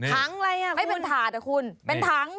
ทั้งอะไรอ่ะคุณไม่เป็นถาดอ่ะคุณเป็นทั้ง